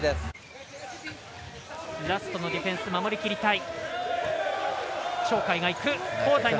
ラストのディフェンス守りきりたい。